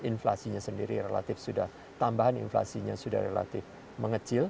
dan inflasinya sendiri relatif sudah tambahan inflasinya sudah relatif mengecil